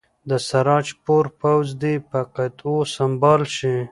د سراج پور پوځ دې په قطعو سمبال شي.